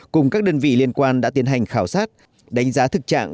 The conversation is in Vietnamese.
cùng các đơn vị liên quan đã tiến hành khảo sát đánh giá thực trạng